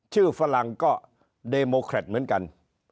ฝรั่งก็เดโมแครตเหมือนกัน